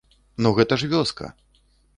Ну гэта ж вёска!